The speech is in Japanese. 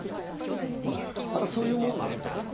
あれは、そういうものなんですか？